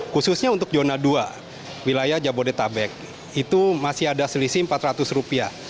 khususnya untuk zona dua wilayah jabodetabek itu masih ada selisih rp empat ratus